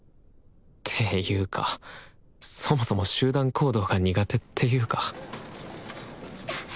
ていうかそもそも集団行動が苦手っていうか来た！